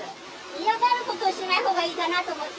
嫌がることしないほうがいいかなと思って。